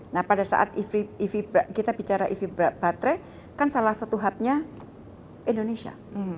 nah pada saat kita bicara ev baterai kan salah satu hubnya indonesia